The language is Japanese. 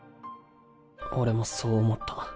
俺もそう思った。